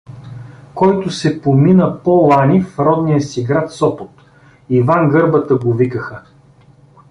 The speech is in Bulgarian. Който се помина по-лани в родния си град Сопот: „Иван Гърбата го викаха.“